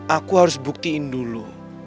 aku harus buktiin dulu